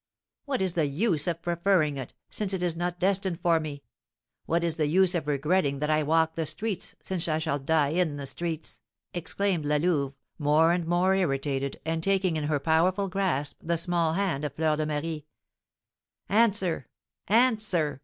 "What is the use of preferring it, since it is not destined for me? What is the use of regretting that I walk the streets, since I shall die in the streets?" exclaimed La Louve, more and more irritated, and taking in her powerful grasp the small hand of Fleur de Marie. "Answer answer!